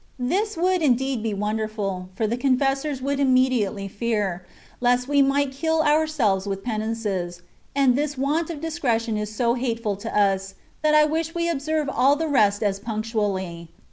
This would indeed be wonderful, for the confessors would immediately fear, lest we might kiU our selves with penances ; and this want of discretion is so hateful to us, that I wish we observed all the rest as punctually.